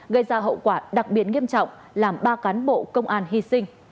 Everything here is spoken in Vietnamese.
gây ra hậu quả đặc biệt nghiêm trọng làm ba cán bộ công an hy sinh